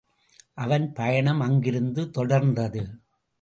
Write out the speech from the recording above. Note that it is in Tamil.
அவன் பயணம் அங்கிருந்து தொடர்ந்தது.